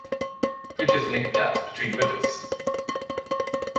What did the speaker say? Bridges link gaps between rivers.